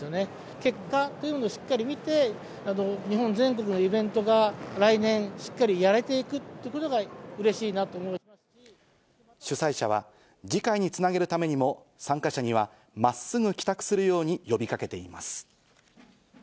結果というのをしっかり見て、日本全国のイベントが来年しっかりやれていくっていうことが、主催者は、次回につなげるためにも、参加者にはまっすぐ帰宅するように呼びかけています。